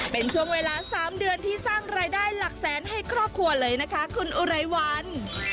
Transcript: เป็นช่วงเวลา๓เดือนที่สร้างรายได้หลักแสนให้ครอบครัวเลยนะคะคุณอุไรวัน